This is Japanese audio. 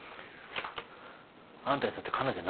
あんたにとって彼女何ですか？